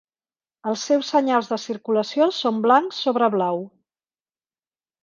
Els seus senyals de circulació són blancs sobre blau.